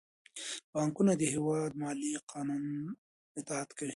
بانکونه د هیواد د مالي قانون اطاعت کوي.